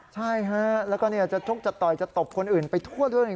ใช่ครับแล้วก็จะจุดจัดต่อยจะตบคนอื่นไปทั่วเรื่อง